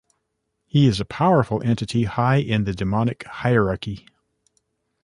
He is a powerful entity high in the demonic hierarchy.